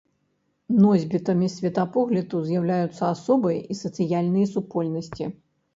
Носьбітамі светапогляду з'яўляюцца асобы і сацыяльныя супольнасці.